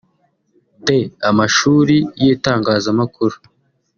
d) Amashuri y’itangazamakuru